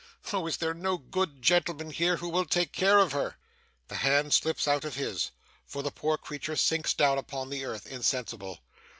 Oh! is there no good gentleman here, who will take care of her!' The hand slips out of his, for the poor creature sinks down upon the earth, insensible.